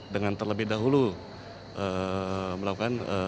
dengan terlebih dahulu melakukan